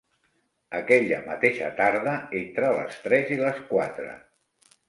Aquella mateixa tarda, entre les tres i les quatre